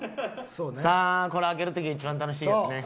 さあこれ開ける時が一番楽しいやつね。